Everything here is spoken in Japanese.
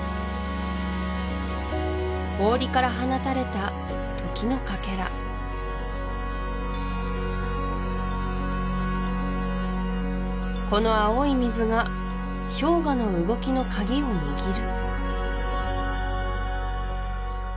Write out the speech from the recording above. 氷から放たれた時のかけらこの青い水が氷河の動きのカギを握る？